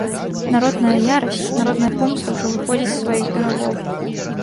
Народная ярасць, народная помста ўжо выходзіць з сваіх берагоў.